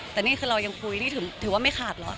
แต่นี่คือเรายังคุยนี่ถือว่าไม่ขาดเหรอ